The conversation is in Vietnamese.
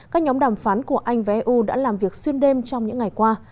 các nhóm đàm phán của anh và eu đã làm việc xuyên đêm trong những ngày qua